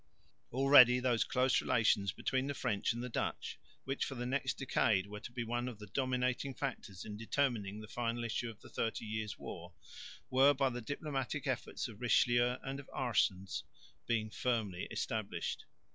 Already those close relations between the French and the Dutch, which for the next decade were to be one of the dominating factors in determining the final issue of the Thirty Years' War, were by the diplomatic efforts of Richelieu and of Aerssens being firmly established.